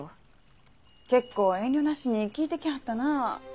結構遠慮なしに聞いてきはったな。